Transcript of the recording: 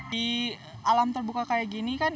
di alam terbuka kayak gini kan